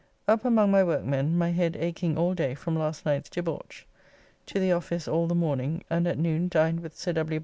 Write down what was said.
Up among my workmen, my head akeing all day from last night's debauch. To the office all the morning, and at noon dined with Sir W.